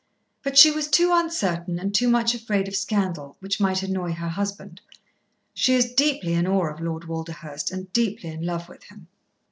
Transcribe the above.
But she was too uncertain and too much afraid of scandal, which might annoy her husband. She is deeply in awe of Lord Walderhurst and deeply in love with him."